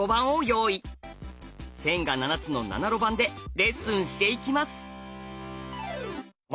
線が７つの７路盤でレッスンしていきます。